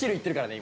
今。